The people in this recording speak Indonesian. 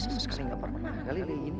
sebeirnya sekarang speaker menang kali ini